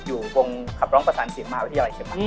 อยู่ตรงขับร้องประสานเสียงมหาวิทยาลัยเชียงใหม่